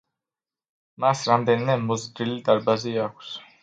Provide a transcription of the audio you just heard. მას რამდენიმე მოზრდილი დარბაზი აქვს.